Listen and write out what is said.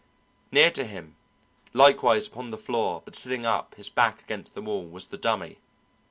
Near to him, likewise upon the floor, but sitting up, his back against the wall, was the Dummy.